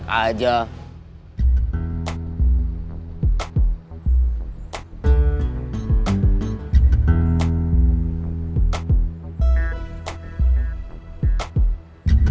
masa kalian nggak mau balas dendam